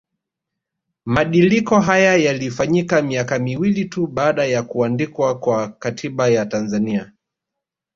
Madiliko haya yalifanyika miaka miwili tu baada ya kuandikwa kwa Katiba ya Tanzania